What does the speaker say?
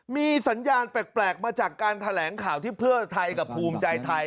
มีสัญญาณแปลกมาจากการแถลงข่าวที่เพื่อไทยกับภูมิใจไทย